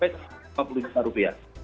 sampai rp lima puluh